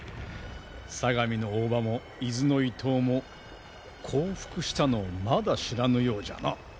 相模の大庭も伊豆の伊東も降伏したのをまだ知らぬようじゃな。